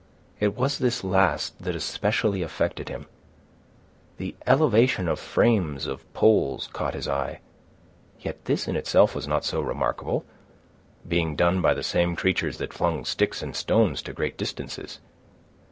It was this last that especially affected him. The elevation of frames of poles caught his eye; yet this in itself was not so remarkable, being done by the same creatures that flung sticks and stones to great distances.